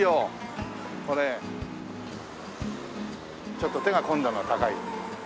ちょっと手が込んだのは高い。